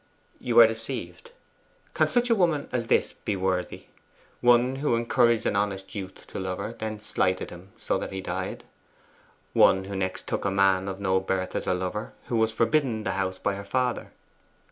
'You are deceived. Can such a woman as this be worthy? 'One who encouraged an honest youth to love her, then slighted him, so that he died. 'One who next took a man of no birth as a lover, who was forbidden the house by her father.